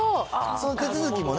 その手続きもね。